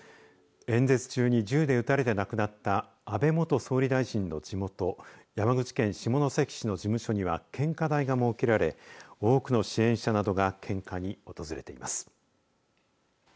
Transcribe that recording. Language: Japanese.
演説中に銃で撃たれて亡くなった安倍元総理大臣の地元山口県下関市の事務所には献花台が設けられ多くの支援者などが献花に訪れています。